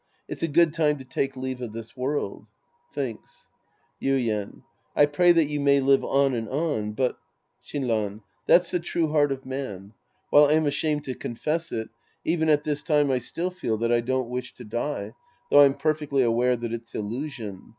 It's a good time to take leave of this world. {Thinks.) Yuien. I pray that you may live on and on, but— Shinran. That's the true heart of man. While I'm ashamed to confess it, even at this time I still feel that I don't wish to die, though I'm perfectly aware that it's illusion.